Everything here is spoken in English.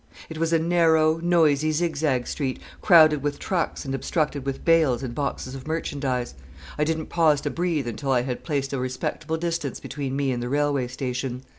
It was a narrow, noisy, zigzag street, crowded with trucks and obstructed with bales and boxes of merchandise. I didn't pause to breathe until I had placed a respectable distance between me and the railway station.